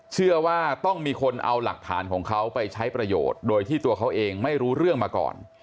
เชื่อว่าต้องมีคนเอาหลักฐานของเขาไปใช้ประโยชน์โดยที่ตัวเขาเองไม่รู้เรื่องมาก่อน